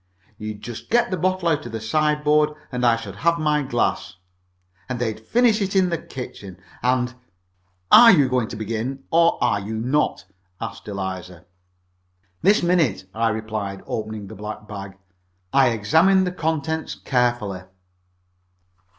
You'd just get the bottle out of the sideboard, and I should have my glass, and they'd finish it in the kitchen, and " "Are you going to begin, or are you not?" asked Eliza. "This minute," I replied, opening the black bag. I examined the contents carefully.